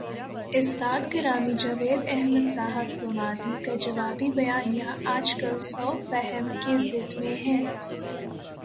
استاد گرامی جاوید احمد صاحب غامدی کا جوابی بیانیہ، آج کل سوء فہم کی زد میں ہے۔